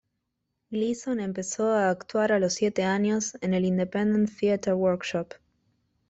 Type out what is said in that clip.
Gleeson empezó a actuar a los siete años en el Independent Theatre Workshop.